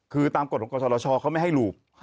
คือตามกฎกฎาชอเขาไม่ให้ลูบ